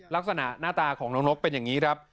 ลักษณะหน้าตาของน้องนกเป็นอย่างนี้ครับ